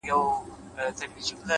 د تجربې ارزښت په عمل کې ښکاري’